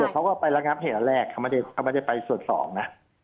เขาก็ไประงับเหตุอันแรกเขาไม่ได้ไปส่วนสองนะ